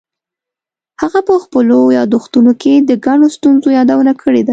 هغه په خپلو یادښتونو کې د ګڼو ستونزو یادونه کړې ده.